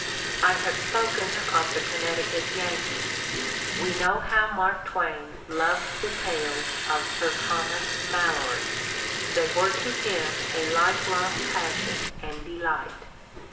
I have spoken of the "Connecticut Yankee." "We know how Mark Twain loved the tales of Sir Thomas Malory: they were to him a lifelong passion and de light.